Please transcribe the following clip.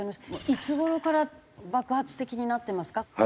いつ頃から爆発的になってますか？